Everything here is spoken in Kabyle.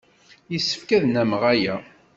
Yessefk ad nnameɣ aya.